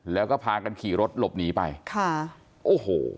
แล้วก็พากันขี่รถหลบหนีไปค่ะโอ้โห